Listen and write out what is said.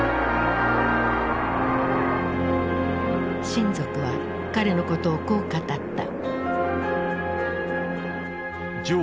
親族は彼のことをこう語った。